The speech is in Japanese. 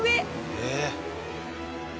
えっ。